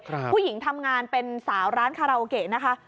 ผู้หญิงทำงานเป็นสาวร้านคาราโอเกะนะคะ